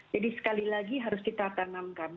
jadi sekali lagi harus kita tanamkan